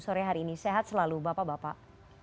sore hari ini sehat selalu bapak bapak